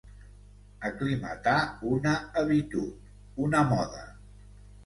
Aclimatar una habitud, una moda.